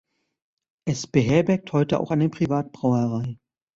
Es beherbergt heute auch eine Privatbrauerei.